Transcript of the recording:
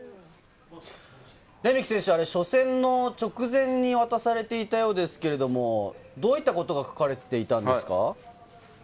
レメキ選手、初戦の直前に渡されていたようですけれども、どういったことが書かれていたんですか？